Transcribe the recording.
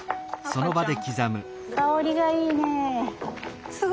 香りがいいね。